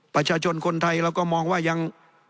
ประชาชนคนไทยเราก็มองว่ายัง